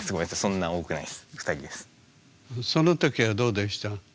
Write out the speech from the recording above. その時はどうでした？